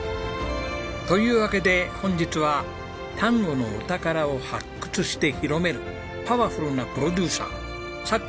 というわけで本日は丹後のお宝を発掘して広めるパワフルなプロデューサーさっこ